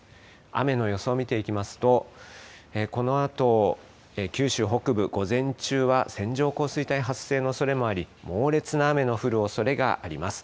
雨の予想を見ていきますと、このあと九州北部、午前中は線状降水帯発生のおそれがあり、猛烈な雨の降るおそれがあります。